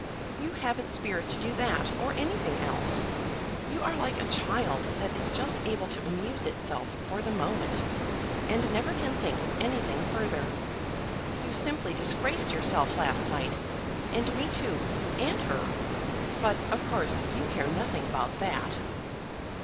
you haven't spirit to do that, or anything else. You are like a child that is just able to amuse itself for the moment, and never can think of anything further. You simply disgraced yourself last night, and me too, and her; but, of course, you care nothing about that."